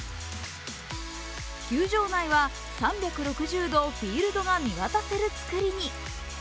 球場内は３６０度フィールドが見渡せるつくりに。